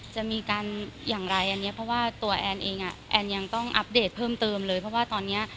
จะมีการอย่างไรอันนี้เพราะว่าตัวแอนเองแอนยังต้องอัพเดทเพิ่มเติมเลย